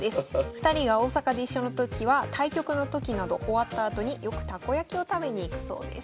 ２人が大阪で一緒の時は対局の時など終わったあとによくたこ焼きを食べに行くそうです。